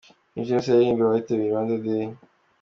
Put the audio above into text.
King James aririmbira abitabiriye Rwanda Day.